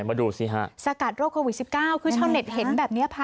มาดูสิฮะสกัดโรคโว้ย๑๙คือเช่าเน็ตเห็นแบบเนี้ยวา